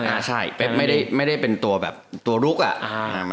โทษให้หาที่เป็นตัวลุกอ่ะ